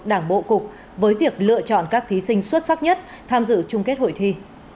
đảng bộ cục với việc lựa chọn các thí sinh xuất sắc nhất tham dự chung kết hội thi